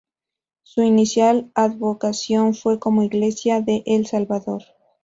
Su inicial advocación fue como iglesia de El Salvador.